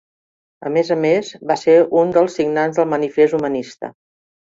A més a més, va ser un dels signants del Manifest humanista.